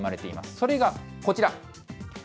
それがこちら。